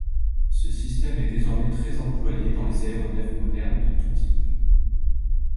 Ce système est désormais très employé dans les aéronefs modernes de tous types.